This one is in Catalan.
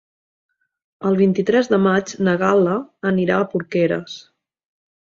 El vint-i-tres de maig na Gal·la anirà a Porqueres.